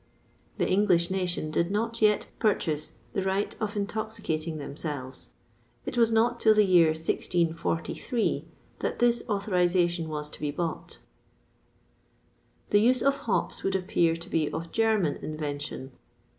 The English nation did not yet purchase the right of intoxicating themselves: it was not till the year 1643 that this authorization was to be bought.[XXVI 21] The use of hops would appear to be of German invention.